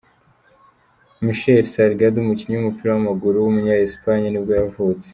Míchel Salgado, umukinnyi w’umupira w’amaguru w’umunya Espagne nibwo yavutse.